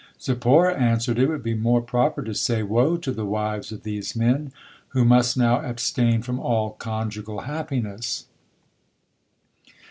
Zipporah answered, "It would be more proper to say, 'Woe to the wives of these men who must now abstain from all conjugal happiness!'"